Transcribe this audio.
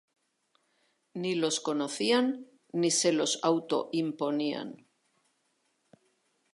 Ni los conocían ni se los auto imponían.